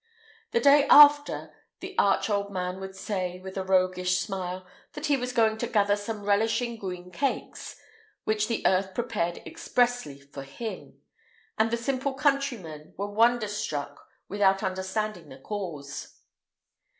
The day after, the arch old man would say, with a roguish smile, that he was going to gather some relishing green cakes, which the earth prepared expressly for him,[IX 129] and the simple countrymen were wonder struck without understanding the cause.